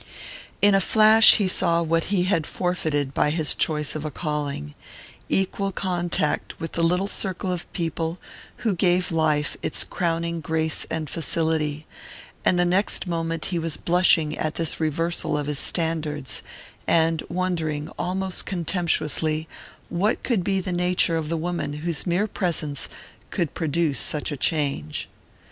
In a flash he saw what he had forfeited by his choice of a calling equal contact with the little circle of people who gave life its crowning grace and facility; and the next moment he was blushing at this reversal of his standards, and wondering, almost contemptuously, what could be the nature of the woman whose mere presence could produce such a change.